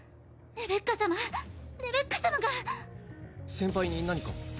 レベッカ様レベッカ様が先輩に何か？